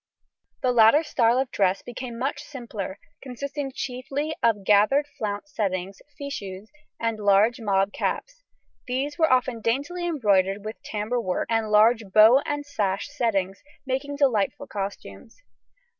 The later style of dress became much simpler, consisting chiefly of gathered flounce settings, fichus, and large mob caps; these were often daintily embroidered with tambour work and large bow and sash settings, making delightful costumes.